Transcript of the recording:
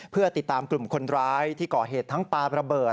เพื่อติดตามกลุ่มคนร้ายที่ก่อเหตุทั้งปลาระเบิด